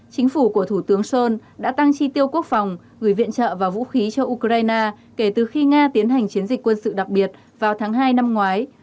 chính phủ của thủ tướng son đã tăng chi tiêu quốc phòng gửi viện trợ và vũ khí cho ukraine kể từ khi nga tiến hành chiến dịch quân sự đặc biệt vào tháng hai năm ngoái